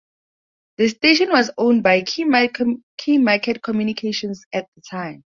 The station was owned by Keymarket Communications at the time.